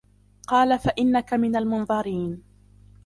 قَالَ فَإِنَّكَ مِنَ الْمُنْظَرِينَ